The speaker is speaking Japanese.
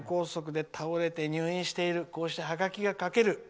こうしてハガキが書ける。